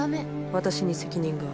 私に責任がある。